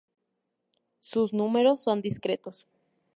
Sus números son discretos.